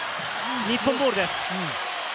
日本ボールです。